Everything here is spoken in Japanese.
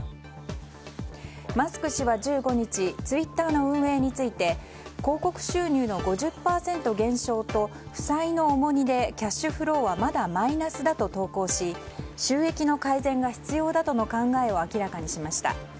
マスク氏は１５日ツイッターの運営について広告収入の５０％減少と負債の重荷でキャッシュフローはまだマイナスだと投稿し収益の改善が必要だとの考えを明らかにしました。